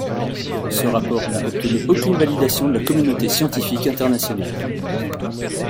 Ce rapport n’a obtenu aucune validation de la communauté scientifique internationale.